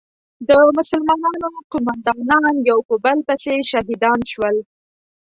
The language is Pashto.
د مسلمانانو قومندانان یو په بل پسې شهیدان شول.